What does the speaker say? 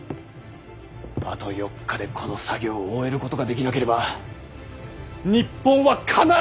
あと４日でこの作業を終えることができなければ日本は必ずまた戦になる。